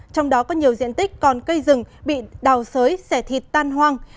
trong đó có nhiều diện tích còn cây rừng bị đào sới xẻ thịt tan hoang